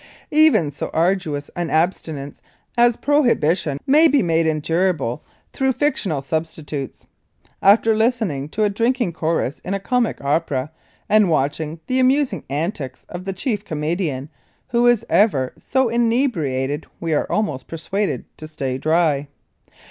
Even so arduous an abstinence as prohibition may be made endurable through fictional substitutes. After listening to a drinking chorus in a comic opera and watching the amusing antics of the chief comedian who is ever so inebriated we are almost persuaded to stay dry.